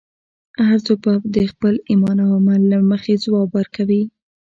هر څوک به د خپل ایمان او عمل له مخې ځواب ورکوي.